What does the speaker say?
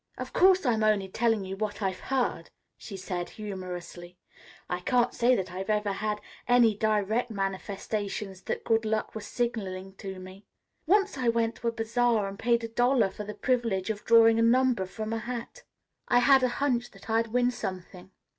"Of course, I'm only telling you what I've heard," she said humorously. "I can't say that I've ever had any direct manifestations that good luck was signaling to me. Once I went to a bazaar and paid a dollar for the privilege of drawing a number from a hat. I had a hunch that I'd win something.